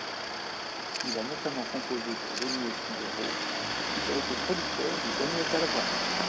Il a notamment composé pour Leny Escudero, puis a été producteur de Daniel Balavoine.